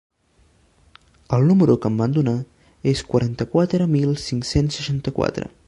El número que em van donar és quaranta-quatre mil cinc-cents seixanta-quatre.